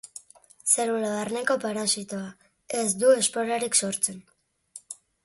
Zelula barneko parasitoa, ez du esporarik sortzen.